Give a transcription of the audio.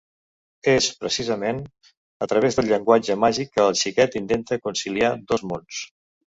És, precisament, a través del llenguatge màgic que el xiquet intenta conciliar dos mons.